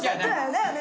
だよね！